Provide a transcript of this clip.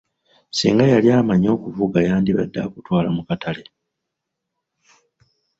Singa yali amanyi okuvuga yandibadde akutwala mu katale.